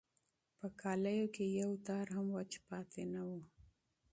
په جامو کې یې یو تار هم وچ پاتې نه و.